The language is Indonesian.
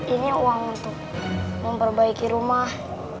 ini uang untuk memperbaiki rumah